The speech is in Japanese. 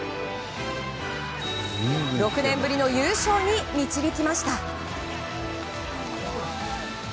６年ぶりの優勝に導きました。